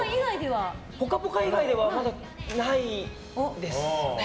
「ぽかぽか」以外ではまだないです。